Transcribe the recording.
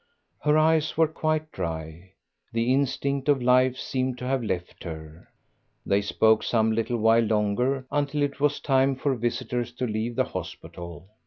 Her eyes were quite dry; the instinct of life seemed to have left her. They spoke some little while longer, until it was time for visitors to leave the hospital.